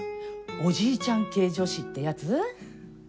おじいちゃん系女子ってやつ？